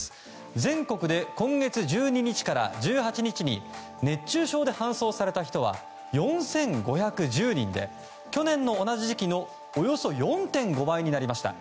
全国で今月１２日から１８日に、熱中症で搬送された人は４５１０人で去年の同じ時期のおよそ４．５倍になりました。